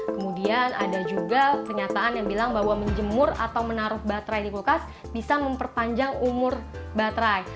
kemudian ada juga pernyataan yang bilang bahwa menjemur atau menaruh baterai di kulkas bisa memperpanjang umur baterai